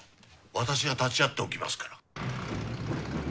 私が立ち合っておきますから。